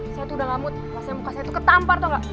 saya tuh udah ngamut alasannya muka saya tuh ketampar tau gak